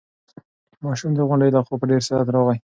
ماشوم د غونډۍ له خوا په ډېر سرعت راغی.